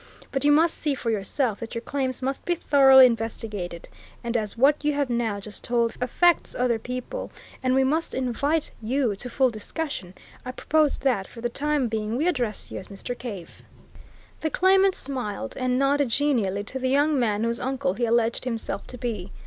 But you must see for yourself that your claims must be thoroughly investigated and as what you have now just told affects other people, and we must invite you to full discussion, I propose that, for the time being, we address you as Mr. Cave." The claimant smiled, and nodded genially to the young man whose uncle he alleged himself to be.